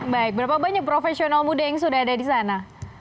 baik berapa banyak profesional muda yang sudah ada di sana